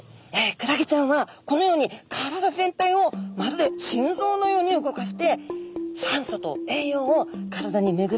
クラゲちゃんはこのように体全体をまるで心臓のように動かして酸素と栄養を体に巡らせてるそうなんですよ。